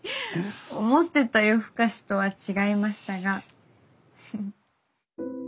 思ってた「夜ふかし」とは違いましたが。